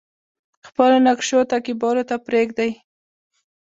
خپلو نقشو تعقیبولو ته پریږدي.